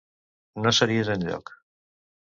No series enlloc.